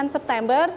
insya allah berangkat